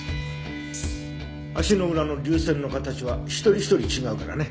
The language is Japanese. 足の裏の隆線の形は一人一人違うからね。